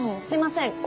すみません。